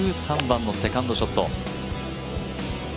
１３番のセカンドショット。